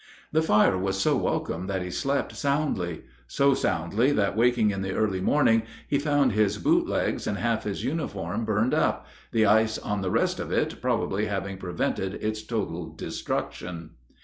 The fire was so welcome that he slept soundly so soundly that waking in the early morning he found his boot legs and half his uniform burned up, the ice on the rest of it probably having prevented its total destruction.